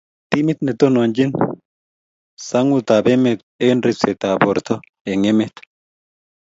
timit ne tononchini sang'utab emet eng' ribsetab borto eng' emet.